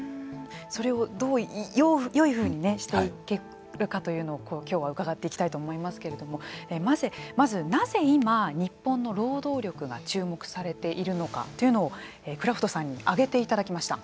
それをどうよいふうにしていけるかというのをきょうは伺っていきたいと思いますけれどもまず、なぜ今日本の労働力が注目されているのかというのをクラフトさんに挙げていただきました。